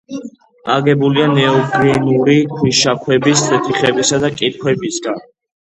აგებულია ნეოგენური ქვიშაქვების, თიხებისა და კირქვებისაგან.